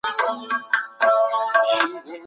افغانان څنګه کولای سي د حج او عمرې ویزې ترلاسه کړي؟